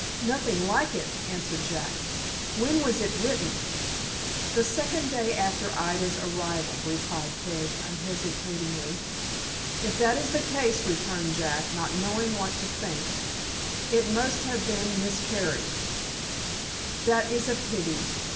"Nothing like it," answered Jack. "When was it written?" "The second day after Ida's arrival," replied Peg, unhesitatingly. "If that is the case," returned Jack, not knowing what to think, "it must have miscarried." "That is a pity.